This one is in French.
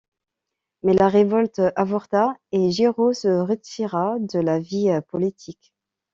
Mais la révolte avorta et Giró se retira de la vie politique.